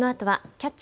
「キャッチ！